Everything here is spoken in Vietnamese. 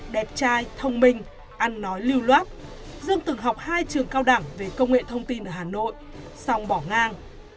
đẹp trai thông minh ăn nói lưu loát dương từng học hai trường cao đẳng về công nghệ thông tin ở hà nội xong bỏ ngang